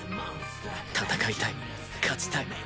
戦いたい勝ちたい。